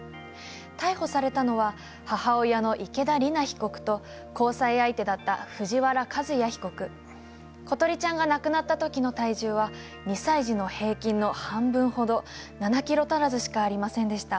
逮捕されたのは母親の池田莉菜被告と交際相手だった藤原一弥被告詩梨ちゃんが亡くなった時の体重は２歳児の平均の半分ほど７キロ足らずしかありませんでした。